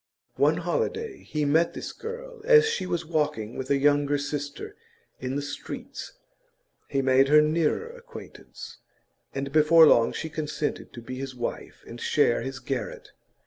One holiday he met this girl as she was walking with a younger sister in the streets; he made her nearer acquaintance, and before long she consented to be his wife and share his garret.